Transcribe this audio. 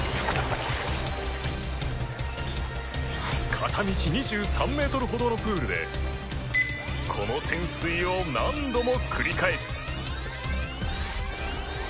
片道２３メートルほどのプールでこの潜水を何度も繰り返す。